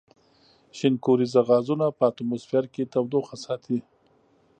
شینکوریزه غازونه په اتموسفیر کې تودوخه ساتي.